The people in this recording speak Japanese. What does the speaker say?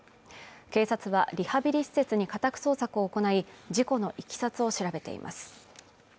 警察はリハビリ施設に家宅捜索を行い事故のいきさつを調べています